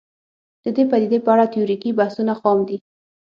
د دې پدیدې په اړه تیوریکي بحثونه خام دي